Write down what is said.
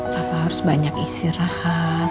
papa harus banyak istirahat